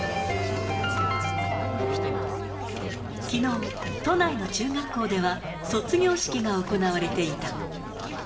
きのう、都内の中学校では、卒業式が行われていた。